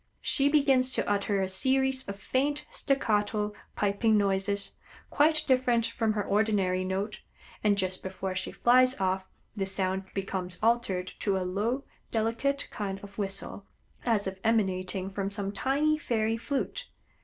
She begins to utter a series of faint, staccato, piping noises, quite different from her ordinary note, and just before she flies off this sound becomes altered to a low, delicate kind of whistle, as if emanating from some tiny fairy flute.